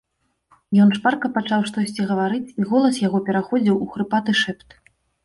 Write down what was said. Ён шпарка пачаў штосьці гаварыць, і голас яго пераходзіў у хрыпаты шэпт.